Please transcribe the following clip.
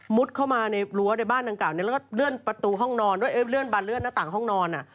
หรือว่าในบ้านต่างกล่าวนี่เรื่อนประตูห้องนอนเรื่อนบานเลื่อนหน้าต่างห้องนอน